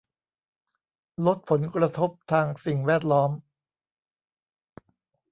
ลดผลกระทบทางสิ่งแวดล้อม